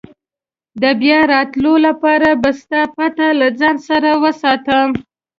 د بیا راتلو لپاره به ستا پته له ځان سره وساتم.